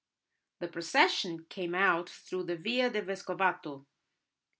The procession came out through the Via di Vescovato.